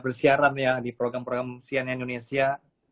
bersiaran ya di program program cnn indonesia